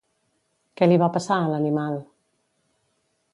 Què li va passar a l'animal?